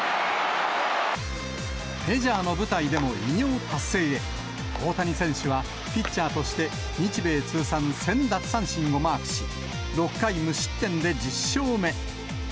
メジャーの舞台でも偉業達成へ、大谷選手はピッチャーとして、日米通算１０００奪三振をマークし、６回無失点で１０勝目。